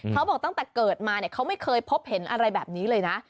เขาบอกตั้งแต่เกิดมาเนี่ยเขาไม่เคยพบเห็นอะไรแบบนี้เลยนะ